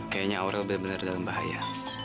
kayaknya aurel bener bener dalam bahaya